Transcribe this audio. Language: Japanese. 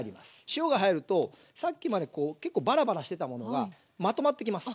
塩が入るとさっきまで結構バラバラしてたものがまとまってきます。